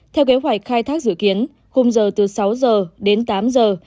theo kế hoạch khai thác dự kiến khung giờ từ sáu giờ đến tám giờ